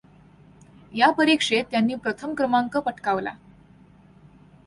या परीक्षेत त्यांनी प्रथम क्रमांक पटकावला.